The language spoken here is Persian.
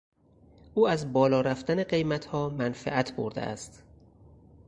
او از بالارفتن قیمتها منفعت برده است.